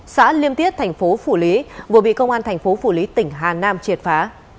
xã liêm tiết thành phố phủ lý vừa bị công an thành phố phủ lý tỉnh hà nam triệt phá